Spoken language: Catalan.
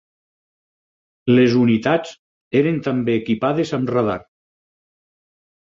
Les unitats eren també equipades amb radar.